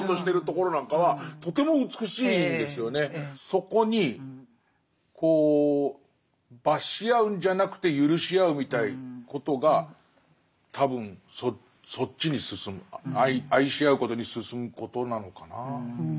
そこにこう罰し合うんじゃなくてゆるし合うみたいなことが多分そっちに進む愛し合うことに進むことなのかな。